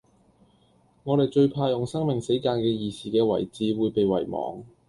我地最怕用生命死諫既義士既遺志會被遺忘